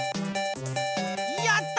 やった！